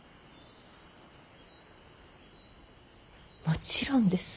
もちろんです。